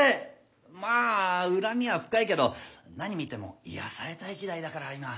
まあ恨みは深いけど何見ても癒やされたい時代だから今。